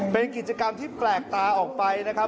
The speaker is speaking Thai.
เป็นกิจกรรมที่แปลกตาออกไปนะครับ